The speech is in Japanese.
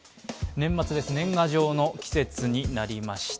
年末です、年賀状の季節になりました。